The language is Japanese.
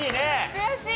悔しい！